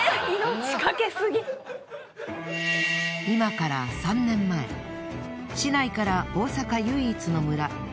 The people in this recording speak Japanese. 今から３年前市内から大阪唯一の村